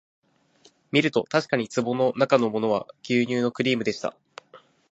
みるとたしかに壺のなかのものは牛乳のクリームでした